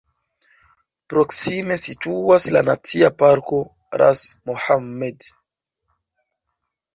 Proksime situas la nacia parko "Ras Mohammed".